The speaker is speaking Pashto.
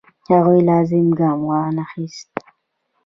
هغوی لازم ګام وانخیست.